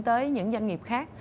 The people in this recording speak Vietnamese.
tới những doanh nghiệp khác